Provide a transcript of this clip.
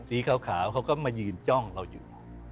สีขาวเขาก็มายืนจ้องเราอยู่